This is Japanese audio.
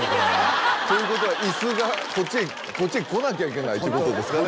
ということは椅子がこっちへ来なきゃいけないってことですかね。